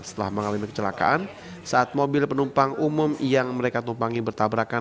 setelah mengalami kecelakaan saat mobil penumpang umum yang mereka tumpangi bertabrakan